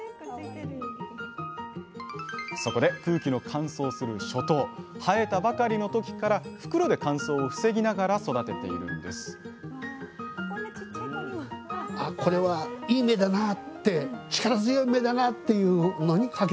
そこで空気の乾燥する初冬生えたばかりの時から袋で乾燥を防ぎながら育てているんですこんなちっちゃい子にも。